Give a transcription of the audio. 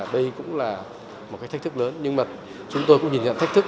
đây cũng là một cái thách thức lớn nhưng mà chúng tôi cũng nhìn nhận thách thức